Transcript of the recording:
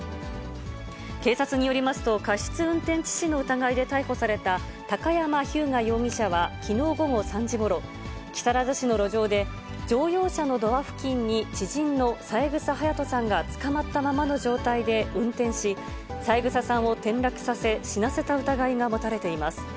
警察によりますと、過失運転致死の疑いで逮捕された高山飛勇我容疑者はきのう午後３時ごろ、木更津市の路上で、乗用車のドア付近に知人の三枝隼年さんがつかまったままの状態で運転し、三枝さんを転落させ、死なせた疑いが持たれています。